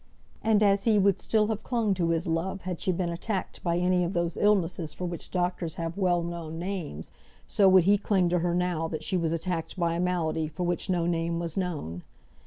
And as he would still have clung to his love had she been attacked by any of those illnesses for which doctors have well known names, so would he cling to her now that she was attacked by a malady for which no name was known.